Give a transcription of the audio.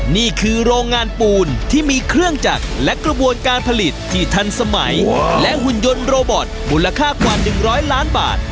นี่คือโรงงานปูนที่มีเครื่องจักรและกระบวนการผลิตที่ทันสมัยและหุ่นยนต์โรบอตมูลค่ากว่า๑๐๐ล้านบาท